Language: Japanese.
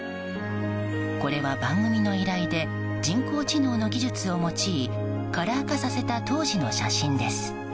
これは番組の依頼で人工知能の技術を用いカラー化させた当時の写真です。